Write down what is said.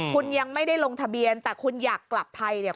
คุณยังไม่ได้ลงทะเบียนแต่คุณอยากกลับไทยเนี่ย